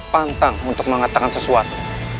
pantang untuk mengatakan sesuatu